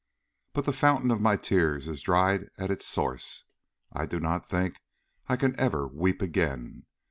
But the fountain of my tears is dried at its source. I do not think I can ever weep again.